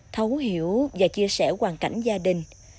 thấu hiểu và chia sẻ hoàn cảnh gia đình